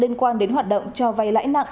liên quan đến hoạt động cho vay lãi nặng